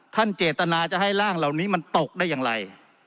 เจตนาจะให้ร่างเหล่านี้มันตกได้อย่างไร